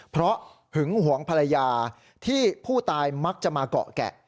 เพราะหึงหวงภรรยาที่ผู้ตายมักจะมาเกาะแกะ